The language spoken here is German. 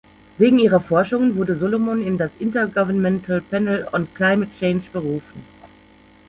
Wegen ihrer Forschungen wurde Solomon in das Intergovernmental Panel on Climate Change berufen.